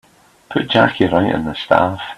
Put Jackie right on the staff.